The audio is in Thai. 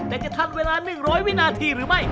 แต่จะทันเวลา๑๐๐วินาทีหรือไม่